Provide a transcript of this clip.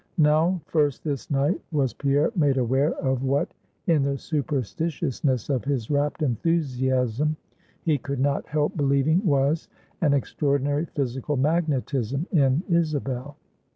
Now first this night was Pierre made aware of what, in the superstitiousness of his rapt enthusiasm, he could not help believing was an extraordinary physical magnetism in Isabel.